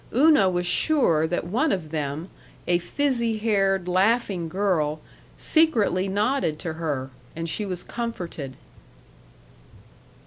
Una was sure that one of them, a fizzy haired, laughing girl, secretly nodded to her, and she was comforted.